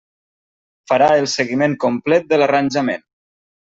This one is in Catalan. Farà el seguiment complet de l'arranjament.